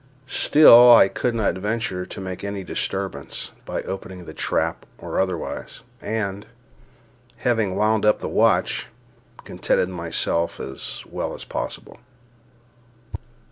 Still I could not venture to make any disturbance by opening the trap or otherwise, and, having wound up the watch, contented myself as well as possible.